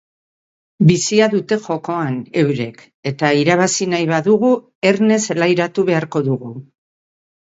Bizia dute jokoan eurek eta irabazi nahi badugu erne zelairatu beharko dugu.